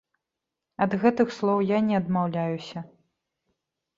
Ад гэтых слоў я не адмаўляюся.